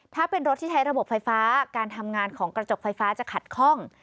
ถ้าเป็นรถที่ใช้ระบบไฟฟ้าการทำงานของกระจกไฟฟ้าจะขัดข้อง